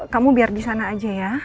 kamu biar disana aja ya